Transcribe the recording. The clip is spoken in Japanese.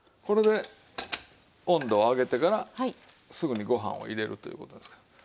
これで温度を上げてからすぐにご飯を入れるという事ですから。